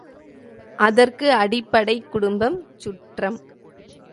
அதற்கு அடிப்படை குடும்பம், சுற்றம்!